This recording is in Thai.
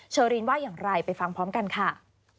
เชอรีนว่าอย่างไรไปฟังพร้อมกันค่ะ